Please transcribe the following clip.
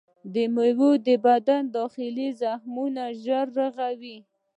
دا میوه د بدن داخلي زخمونه ژر رغوي.